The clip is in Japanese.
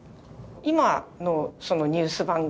今のニュース番組